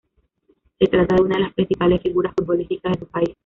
Se trata de una de las principales figuras futbolísticas de su país.